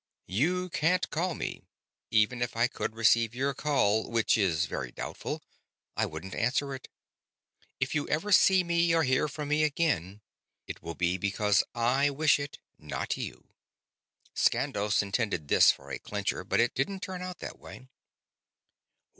"You can't call me. Even if I could receive your call, which is very doubtful, I wouldn't answer it. If you ever see me or hear from me again, it will be because I wish it, not you." Skandos intended this for a clincher, but it didn't turn out that way.